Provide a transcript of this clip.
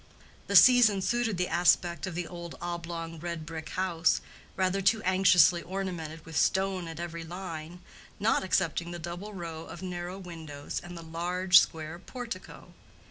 The season suited the aspect of the old oblong red brick house, rather too anxiously ornamented with stone at every line, not excepting the double row of narrow windows and the large square portico.